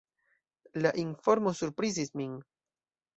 La informo surprizis min.